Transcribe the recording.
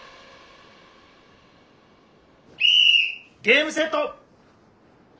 ゲームセット！